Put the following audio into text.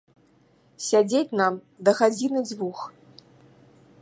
Сядзець нам да гадзіны-дзвюх?